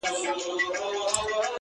او پېژندګلوي بولي